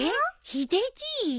ヒデじい？